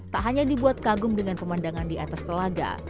tak hanya dibuat kagum dengan pemandangan di atas telaga